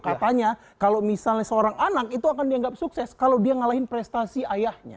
katanya kalau misalnya seorang anak itu akan dianggap sukses kalau dia ngalahin prestasi ayahnya